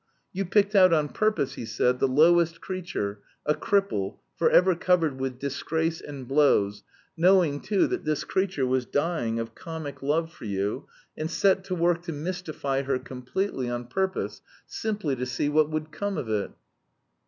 (You picked out on purpose, he said, the lowest creature, a cripple, forever covered with disgrace and blows, knowing, too, that this creature was dying of comic love for you, and set to work to mystify her completely on purpose, simply to see what would come of it.)